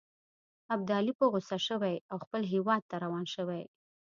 ابدالي په غوسه شوی او خپل هیواد ته روان شوی.